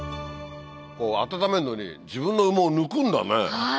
温めるのに自分の羽毛を抜くんだね。